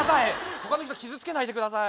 他の人傷つけないで下さい。